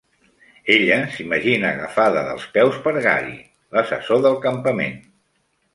Ella s'imagina agafada dels peus per Gary, l'assessor del campament.